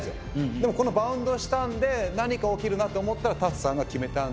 でもこのバウンドしたんで何か起きるなって思ったらタツさんが決めたんで。